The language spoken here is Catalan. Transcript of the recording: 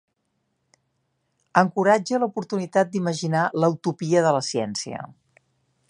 Encoratge l'oportunitat d’imaginar la utopia de la ciència.